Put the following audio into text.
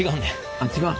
あっ違う。